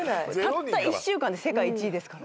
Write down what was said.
たった１週間で世界１位ですからね。